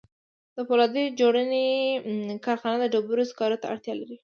د پولاد جوړونې کارخانه د ډبرو سکارو ته اړتیا لري